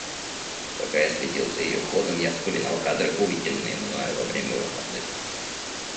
Пока я следил за ее ходом, я вспоминал кадры, увиденные мною во время выходных.